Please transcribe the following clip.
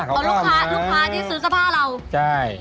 เขาก็มาเพราะลูกค้าที่ซื้อเสื้อผ้าเราใช่